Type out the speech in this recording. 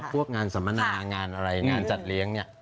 พวกงานสัมมนางานอะไรงานจัดเลี้ยงเนี่ย